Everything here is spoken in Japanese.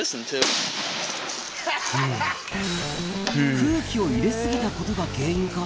空気を入れ過ぎたことが原因か？